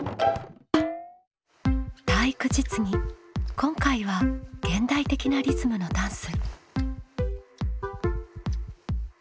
今回は「現代的なリズムのダンス」。